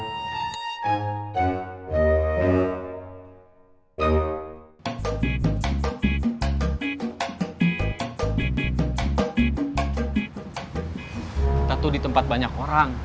kita tuh di tempat banyak orang